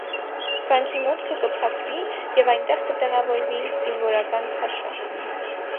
Վանքի մուտքը կը փակուի եւ այնտեղ կը տեղաւորուի զինուորական փաշա։